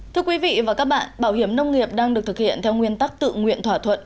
thưa quý vị và các bạn bảo hiểm nông nghiệp đang được thực hiện theo nguyên tắc tự nguyện thỏa thuận